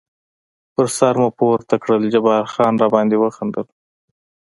پر سر مو پورته کړل، جبار خان را باندې وخندل.